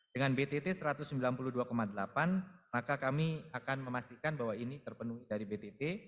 dengan btt satu ratus sembilan puluh dua delapan maka kami akan memastikan bahwa ini terpenuhi dari btt